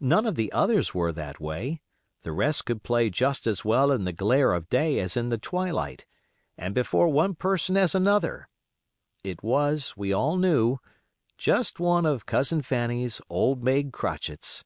None of the others were that way; the rest could play just as well in the glare of day as in the twilight, and before one person as another; it was, we all knew, just one of Cousin Fanny's old maid crotchets.